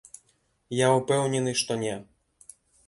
Я ўпэўнены, што не.